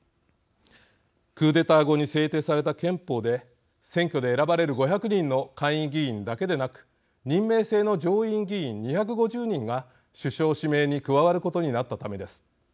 クーデター後に制定された憲法で選挙で選ばれる５００人の下院議員だけでなく任命制の上院議員２５０人が首相指名に加わることになったためです。